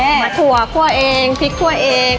มัดถั่วครัวเองพริกครัวเอก